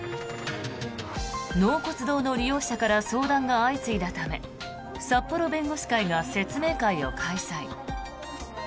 納骨堂の利用者から相談が相次いだため札幌弁護士会が説明会を開催。